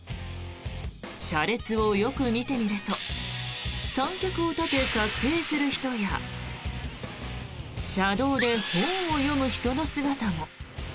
車列をよく見てみると三脚を立て撮影する人や車道で本を読む人の姿も。